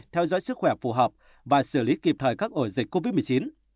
theo dõi sức khỏe phù hợp và xử lý kịp thời các ổ dịch covid một mươi chín